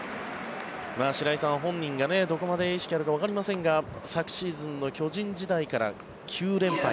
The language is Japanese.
白井さん、本人がどこまで意識があるかわかりませんが昨シーズンの巨人時代から９連敗。